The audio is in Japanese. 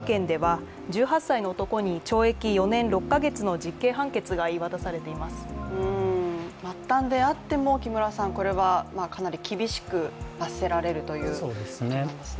５月に東京の銀座で起きた仮面をつけた男らによる強盗事件では、１８歳の男に懲役４年６か月の実刑判決が言い渡されています末端であってもこれはかなり厳しく罰せられるということなんですね。